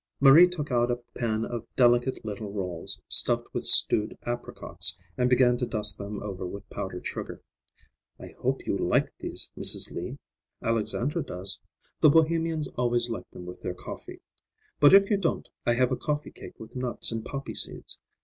Marie took out a pan of delicate little rolls, stuffed with stewed apricots, and began to dust them over with powdered sugar. "I hope you'll like these, Mrs. Lee; Alexandra does. The Bohemians always like them with their coffee. But if you don't, I have a coffee cake with nuts and poppy seeds.